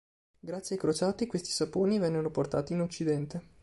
Grazie ai crociati questi saponi vennero portati in Occidente.